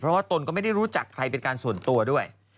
เพราะว่าตนก็ไม่ได้รู้จักใครเป็นการส่วนตัวด้วย